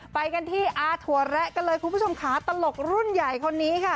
ไปกันที่อาถั่วแระกันเลยคุณผู้ชมค่ะตลกรุ่นใหญ่คนนี้ค่ะ